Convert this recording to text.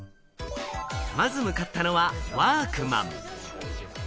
まず向かったのはワークマン。